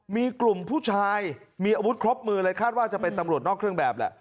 มีกลุ่มผู้ชายมีอาวุธครบมือเลยคาดว่าจะเป็นตำรวจนอกเครื่องแบบแหละ